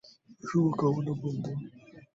শুভকামনা, বন্ধু।